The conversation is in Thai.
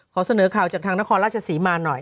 เสนอข่าวจากทางนครราชศรีมาหน่อย